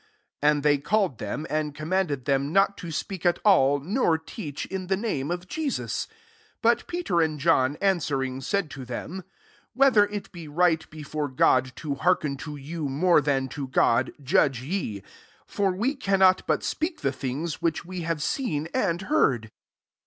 18 And they called them, and command ed [thefn] not to speak at all, nor teach, in the name of Jesus. 19 But Peter and John answer ing said to them, << Whether it be right, before God, to heark en to you more than to God, judge ye ; 20 for we cannot but speak the things which we have seen and heard."